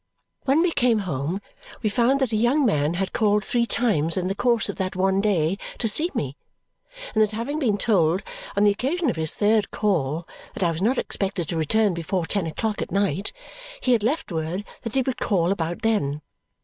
When we came home we found that a young man had called three times in the course of that one day to see me and that having been told on the occasion of his third call that I was not expected to return before ten o'clock at night, he had left word that he would call about then.